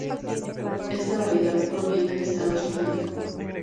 Esta variedad proviene de Estados Unidos.